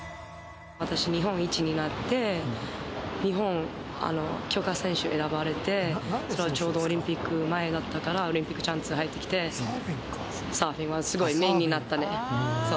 私、日本一になって、日本強化選手選ばれて、それがちょうどオリンピック前だったから、オリンピックチャンス入ってきて、サーフィンはすごいメインになったね。